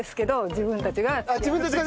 自分たちが。